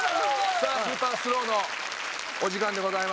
さあスーパースローのお時間でございます。